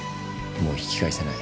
もう引き返せない。